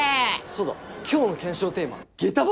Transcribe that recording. そうだ今日の検証テーマ下駄箱にしない？